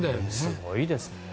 すごいですね。